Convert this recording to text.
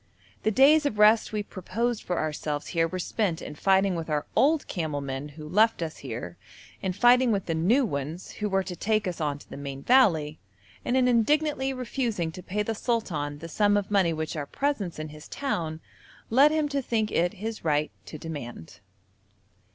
The days of rest we proposed for ourselves here were spent in fighting with our old camel men who left us here, in fighting with the new ones who were to take us on to the main valley, and in indignantly refusing to pay the sultan the sum of money which our presence in his town led him to think it his right to demand.